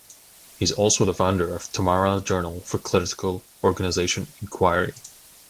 He is also founder of the Tamara Journal for Critical Organization Inquiry.